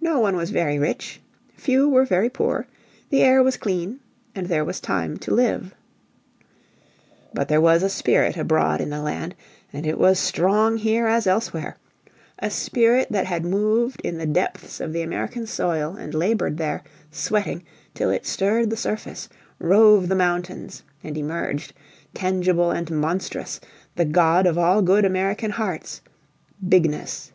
No one was very rich; few were very poor; the air was clean, and there was time to live. But there was a spirit abroad in the land, and it was strong here as elsewhere a spirit that had moved in the depths of the American soil and labored there, sweating, till it stirred the surface, rove the mountains, and emerged, tangible and monstrous, the god of all good American hearts Bigness.